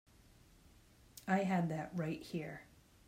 I had that right here.